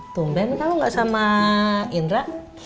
tumben kalau nggak sama indra